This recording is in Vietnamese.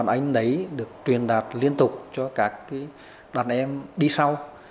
các đàn anh đấy được truyền đạt liên tục cho các đàn em đi sau